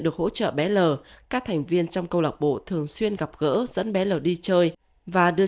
được hỗ trợ bé lờ các thành viên trong câu lạc bộ thường xuyên gặp gỡ dẫn bé l đi chơi và đưa